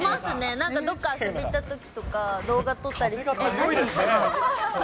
なんかどっか遊びに行ったときとか、動画撮ったりします。